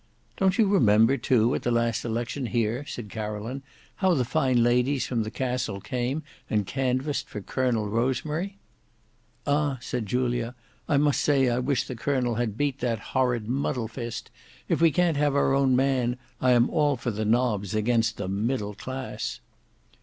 "Don't you remember, too, at the last election here," said Caroline, "how the fine ladies from the Castle came and canvassed for Colonel Rosemary?" "Ah!" said Julia, "I must say I wish the Colonel had beat that horrid Muddlefist. If we can't have our own man, I am all for the Nobs against the Middle Class."